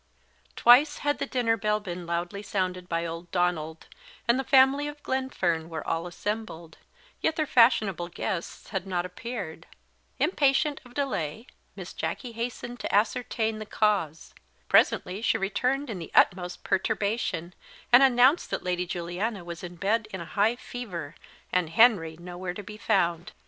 _ TWICE had the dinner bell been loudly sounded by old Donald, and the family of Glenfern were all assembled, yet their fashionable guests had not appeared. Impatient of delay, Miss Jacky hastened to ascertain the cause. Presently she returned in the utmost perturbation, and announced that Lady Juliana was in bed in a high fever, and Henry nowhere to be found.